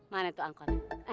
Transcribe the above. mana tuh angkotnya